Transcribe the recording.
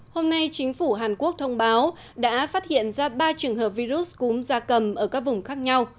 hôm nay chính phủ hàn quốc thông báo đã phát hiện ra ba trường hợp virus cúm da cầm ở các vùng khác nhau